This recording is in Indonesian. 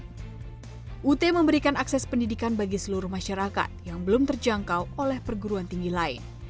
dan juga memberikan akses pendidikan bagi seluruh masyarakat yang belum terjangkau oleh perguruan tinggi lain